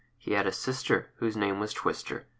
He had a sister Whose name was Twister.